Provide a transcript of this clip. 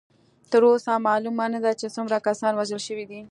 تر اوسه معلومه نه ده چې څومره کسان وژل شوي دي.